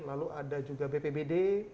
lalu ada juga bpbd